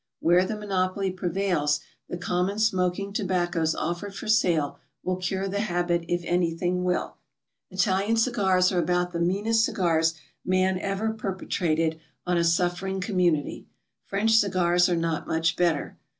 Where the monopoly prevails, the common smoking tobaccos offered for sale will cure the habit if any thing will. Italian cigars are about the meanest cigars man ever perpetrated on a suffering community. French cigars are not much better.